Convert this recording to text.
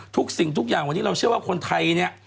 สิ่งทุกอย่างวันนี้เราเชื่อว่าคนไทยเนี่ย